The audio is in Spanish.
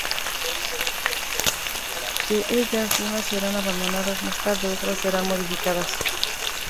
De ellas unas serán abandonadas más tarde, otras serán modificadas.